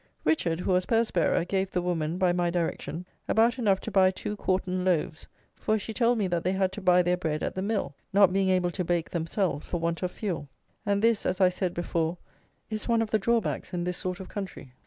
Richard, who was purse bearer, gave the woman, by my direction, about enough to buy two quartern loaves: for she told me that they had to buy their bread at the mill, not being able to bake themselves for want of fuel; and this, as I said before, is one of the draw backs in this sort of country.